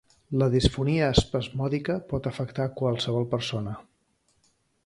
La disfonia espasmòdica pot afectar a qualsevol persona.